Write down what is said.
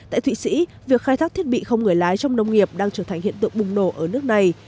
tại thụy sĩ việc khai thác thiết bị không người lái trong nông nghiệp đang trở thành hiện tượng bùng nổ ở nước này